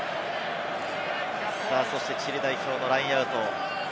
そしてチリ代表のラインアウト。